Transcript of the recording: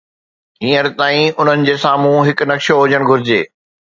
هينئر تائين، انهن جي سامهون هڪ نقشو هجڻ گهرجي.